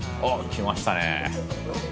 来ましたね。